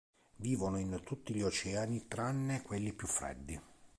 Vivono in tutti gli oceani tranne quelli più freddi.